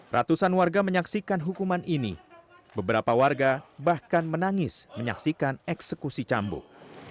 ratusan warga menyaksikan hukuman ini beberapa warga bahkan menangis menyaksikan eksekusi cambuk